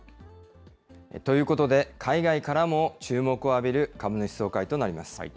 ということで、海外からも注目を浴びる株主総会となります。